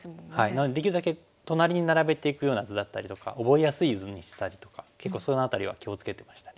なのでできるだけ隣に並べていくような図だったりとか覚えやすい図にしたりとか結構その辺りは気を付けてましたね。